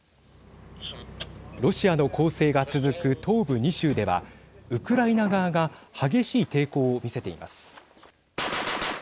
ロシアの攻勢が続く東部２州ではウクライナ側が激しい抵抗を見せています。